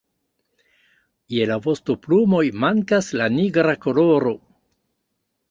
Je la vostoplumoj mankas la nigra koloro.